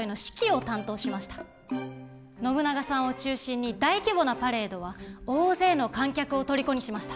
信長さんを中心に大規模なパレードは大勢の観客をとりこにしました。